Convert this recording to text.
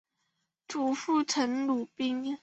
祖父陈鲁宾。